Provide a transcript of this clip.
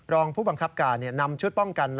รองผู้บังคับการนำชุดป้องกัน